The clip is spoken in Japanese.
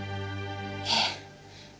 ええ。